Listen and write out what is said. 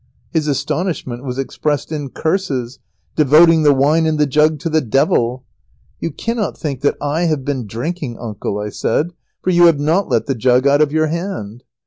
His astonishment was expressed in curses, devoting the wine and the jug to the devil. "You cannot think that I have been drinking, uncle!" I said, "for you have not let the jug out of your hand."